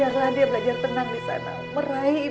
abang sedang menyanyikan ada yang baik di dalam peluput ini